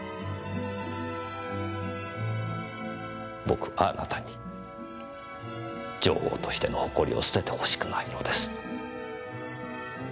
僕はあなたに女王としての誇りを捨ててほしくないのです。